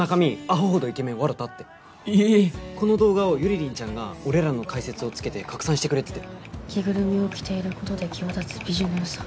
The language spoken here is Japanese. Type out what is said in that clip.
アホ程イケメンわろたってえっこの動画をユリリンちゃんが俺らの解説をつけて拡散してくれてて「着ぐるみを着ていることで際立つビジュの良さ」